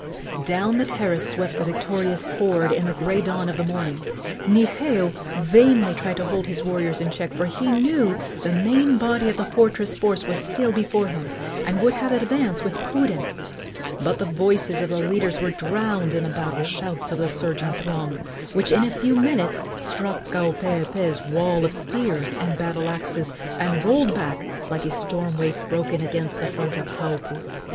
Down the terrace swept the victorious horde in the gray dawn of the morning. Niheu vainly tried to hold his warriors in check, for he knew the main body of the fortress force was still before him, and would have advanced with prudence; but the voices of the leaders were drowned in the battle shouts of the surging throng, which in a few minutes struck Kaupeepee's wall of spears and battle axes, and rolled back like a storm wave broken against the front of Haupu.